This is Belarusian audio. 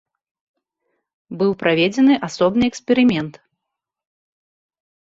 Быў праведзены асобны эксперымент.